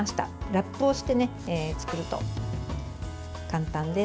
ラップをして作ると簡単です。